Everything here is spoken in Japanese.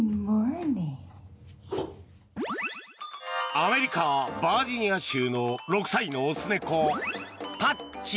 アメリカ・バージニア州の６歳の雄猫、パッチ。